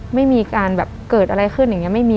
ไม่มีการแบบเกิดอะไรขึ้นอย่างนี้